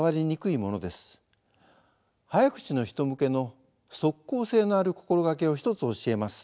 早口の人向けの即効性のある心がけを一つ教えます。